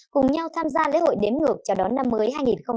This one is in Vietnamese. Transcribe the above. cùng nhau tham gia lễ hội đếm ngược chào đón năm mới hai nghìn hai mươi